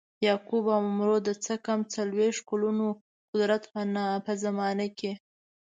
یعقوب او عمرو د څه کم څلویښت کلونو قدرت په زمانه کې.